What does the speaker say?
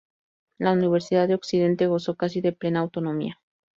La Universidad de Occidente gozó casi de plena autonomía.